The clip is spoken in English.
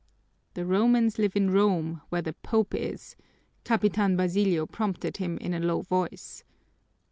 "The Romans live in Rome, where the Pope is," Capitan Basilio prompted him in a low voice.